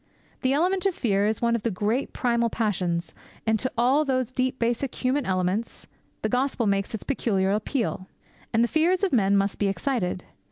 The element of fear is one of the great primal passions, and to all those deep basic human elements the gospel makes its peculiar appeal. And the fears of men must be excited.